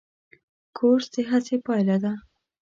کورس د هڅې پایله ده.